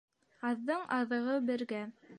Аҙҙың аҙығы бергә.